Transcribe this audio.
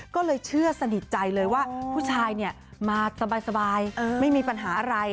ก็เลยเชื่อสนิทใจเลยว่าผู้ชายมาสบายไม่มีปัญหาอะไร